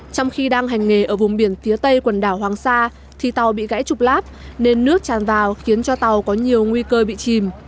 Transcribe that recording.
trong khi đang hành nghề ở vùng biển phía tây quần đảo hoàng sa thì tàu bị gãy trục lát nên nước tràn vào khiến cho tàu có nhiều nguy cơ bị chìm